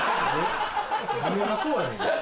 飲めなそうやねん。